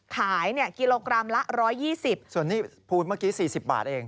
ขายเนี่ยกิโลกรัมละ๑๒๐ส่วนนี้พูนเมื่อกี้๔๐บาทเอง